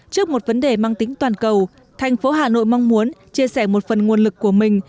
trước một vấn đề mang tính toàn cầu thành phố hà nội mong muốn chia sẻ một phần nguồn lực của mình